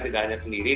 tidak hanya sendiri